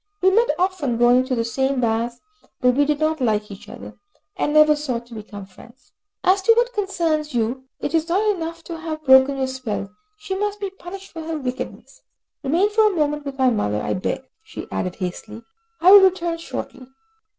We met often going to the same baths, but we did not like each other, and never sought to become friends. As to what concerns you, it is not enough to have broken your spell, she must be punished for her wickedness. Remain for a moment with my mother, I beg," she added hastily, "I will return shortly."